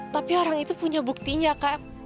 tapi orang itu punya buktinya kak